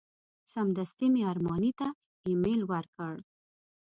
سمدستي مې ارماني ته ایمیل ورکړ.